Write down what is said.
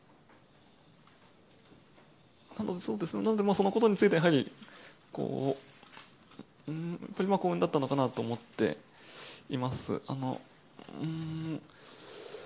そのことについてはやはり、やっぱり幸運だったのかなと思っています。